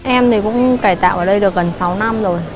em thì cũng cải tạo ở đây được gần sáu năm rồi